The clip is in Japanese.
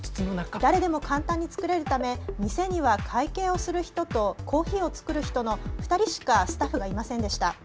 誰でも簡単に作れるため店には会計をする人とコーヒーを作る人の２人しかスタッフがいませんでした。